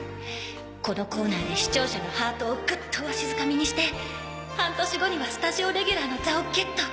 このコーナーで視聴者のハートをグッとわしづかみにして半年後にはスタジオレギュラーの座をゲット！